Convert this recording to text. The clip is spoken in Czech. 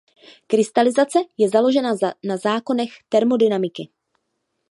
Krystalizace je založena na zákonech termodynamiky.